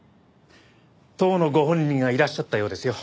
当のご本人がいらっしゃったようですよ。